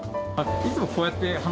いつもこうやって？